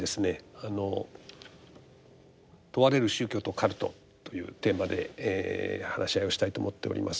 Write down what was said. あの「問われる宗教と“カルト”」というテーマで話し合いをしたいと思っております。